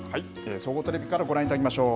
総合テレビからご覧いただきましょう。